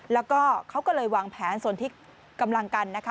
แล้วก็เขาก็เลยวางแผนส่วนที่กำลังกันนะคะ